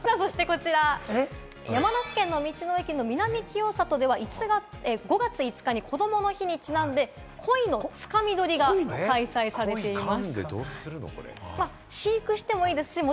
そしてこちら、山梨県の道の駅南きよさとでは５月５日こどもの日にちなんで、鯉のつかみ取りが開催されます。